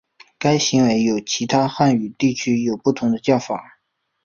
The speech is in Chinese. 该行为在其他汉语地区有不同的叫法。